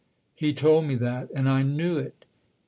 He told me that, and I knew it."